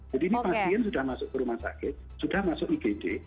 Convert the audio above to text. jadi ini pasien sudah masuk ke rumah sakit sudah masuk igd